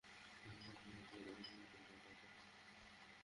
হ্যাঁঁ, স্যার পেয়ে যাবেন রেডিও দাও তো।